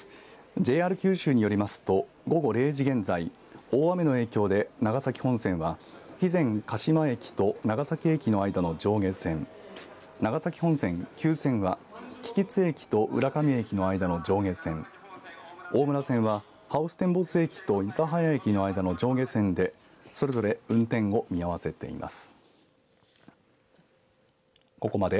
ＪＲ九州によりますと午後０時現在、大雨の影響で長崎本線は肥前鹿島駅と長崎駅の間の上下線長崎本線旧線は喜々津駅と浦上駅の間の上下線大村線はハウステンボス駅と諫早駅の間の上下線でそれぞれ運転を見合わせています。